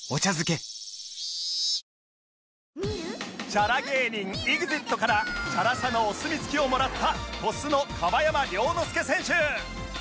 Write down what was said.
チャラ芸人 ＥＸＩＴ からチャラさのお墨付きをもらった鳥栖の樺山諒乃介選手